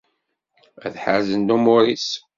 Ad ḥerzen lumur-is.